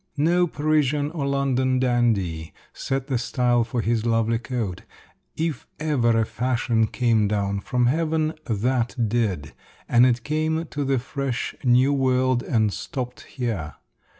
No Parisian or London dandy set the style for his lovely coat. If ever a fashion came down from heaven, that did; and it came to the fresh, new world and stopped here.